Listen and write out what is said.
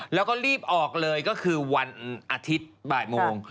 แล้วก็รีบออกเลยก็คือวันอาทิตย์บ่ายโมง